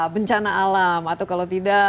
bencana alam atau kalau tidak